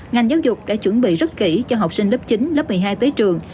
ngành giáo dục đã chuẩn bị rất kỹ cho học sinh lớp chín lớp một mươi hai tới trường